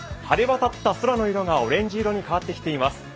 晴れ渡った空の色がオレンジ色に変わってきています。